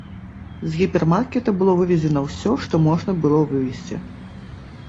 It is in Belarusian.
З гіпермаркета было вывезена ўсё, што можна было вывезці.